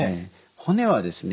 骨はですね